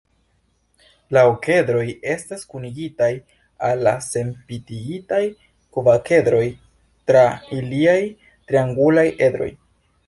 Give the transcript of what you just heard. La okedroj estas kunigitaj al la senpintigitaj kvaredroj tra iliaj triangulaj edroj.